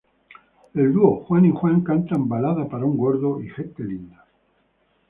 El duo Juan y Juan canta "Balada para un gordo" y "Gente linda".